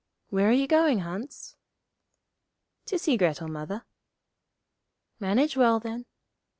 'Where are you going, Hans?' 'To see Grettel, Mother.' 'Manage well, then.'